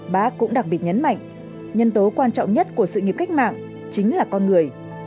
bác cũng đặc biệt nhấn mạnh nhân tố quan trọng nhất của sự nghiệp cách mạng chính là con người